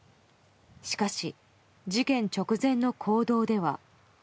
しかし、事件直前の行動では。